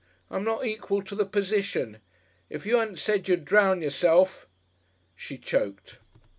I'm not equal to the position. If you 'adn't said you'd drown yourself " She choked.